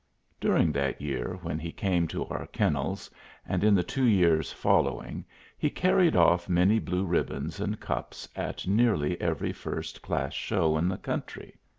During that year, when he came to our kennels, and in the two years following, he carried off many blue ribbons and cups at nearly every first class show in the country.